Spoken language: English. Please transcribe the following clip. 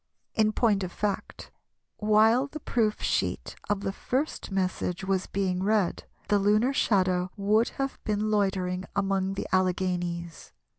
In point of fact, while the proof sheet of the first message was being read, the lunar shadow would have been loitering among the Alleghanies.